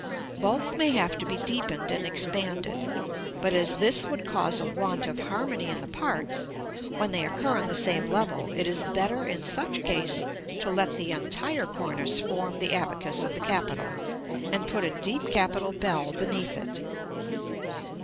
Both may have to be deepened and expanded: but as this would cause a want of harmony in the parts, when they occur on the same level, it is better in such case to let the entire cornice form the abacus of the capital, and put a deep capital bell beneath it.